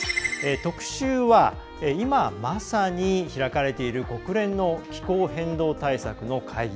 特集は、今まさに開かれている国連の気候変動対策の会議